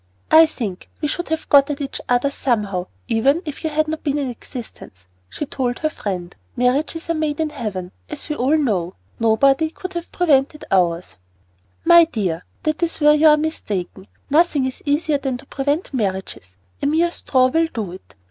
"I think we should have got at each other somehow, even if you had not been in existence," she told her friend; "marriages are made in Heaven, as we all know. Nobody could have prevented ours." "My dear, that is just where you are mistaken. Nothing is easier than to prevent marriages. A mere straw will do it.